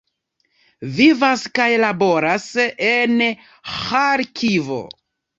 Vivas kaj laboras en Ĥarkivo.